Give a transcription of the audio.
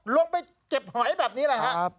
ลงไปเจ็บหอยแบบนี้แหละครับครับ